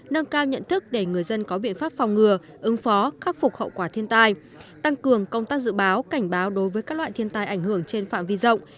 nâng cao nhận thức để người dân có biện pháp phòng ngừa ứng phó khắc phục hậu quả thiên tai tăng cường công tác dự báo cảnh báo đối với các loại thiên tai ảnh hưởng trên phạm vi rộng